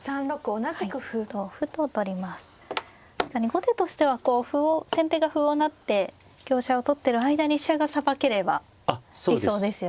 後手としてはこう歩を先手が歩を成って香車を取ってる間に飛車がさばければ理想ですよね。